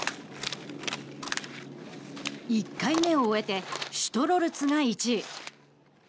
１回目を終えてシュトロルツが１位。